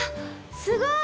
すごーい！